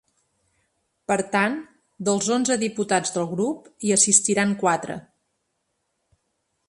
Per tant, dels onze diputats del grup hi assistiran quatre.